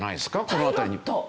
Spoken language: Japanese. この辺りに。